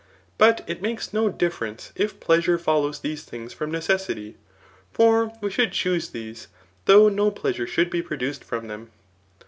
But it makes no difference, if pleasure follows these things from necessity ; for we should choose these, though no pleasure should be produced from them.